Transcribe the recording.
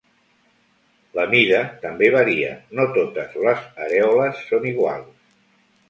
La mida també varia, no totes les arèoles són iguals.